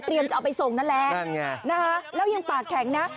ก็จะเอาไปส่งนั้นแหละแล้วยังปากแข็งนะ